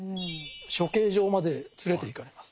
処刑場まで連れていかれます。